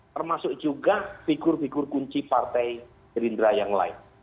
termasuk juga figur figur kunci partai gerindra yang lain